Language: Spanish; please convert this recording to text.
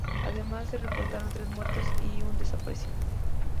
Además, se reportaron tres muertos y un desaparecido.